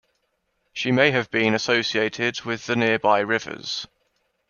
She may have been associated with the nearby rivers.